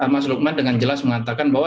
mas lukman dengan jelas mengatakan bahwa